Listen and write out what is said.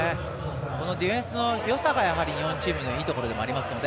このディフェンスのよさがチームのいいところではありますね。